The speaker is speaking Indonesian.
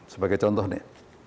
sebagai contoh nih